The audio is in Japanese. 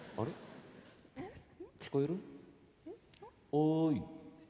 おい。